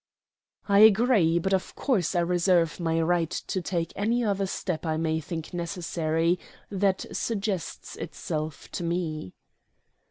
"I agree; but of course I reserve my right to take any other step I may think necessary that suggests itself to me."